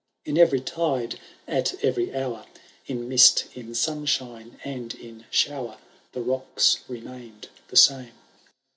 In every tide, at eyery hour. In mist, in sunshine, and in shower, The rocks remained the same.